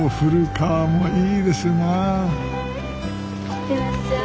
行ってらっしゃい。